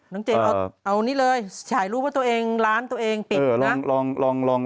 เจมส์เอานี่เลยถ่ายรูปว่าตัวเองร้านตัวเองปิด